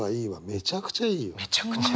めちゃくちゃいい！